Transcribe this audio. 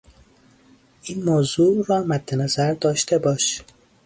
این موضوع را مد نظر داشته باش